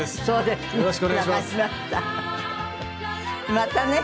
またね。